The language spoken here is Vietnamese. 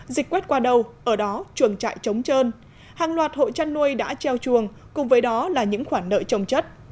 dịch quét qua đầu ở đó chuồng chạy trống trơn hàng loạt hộ chăn nuôi đã treo chuồng cùng với đó là những khoản nợ chống chất